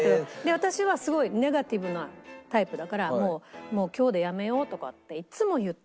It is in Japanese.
私はすごいネガティブなタイプだから「もう今日でやめよう」とかっていつも言って。